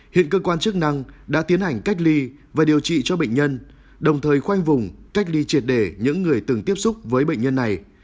hiện cơ quan chức năng đã tiến hành cách ly và điều trị cho bệnh nhân đồng thời khoanh vùng cách ly triệt đề những người từng tiếp xúc với bệnh nhân này